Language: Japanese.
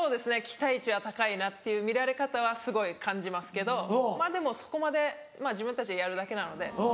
期待値は高いなって見られ方はすごい感じますけどまぁでもそこまで自分たちでやるだけなので。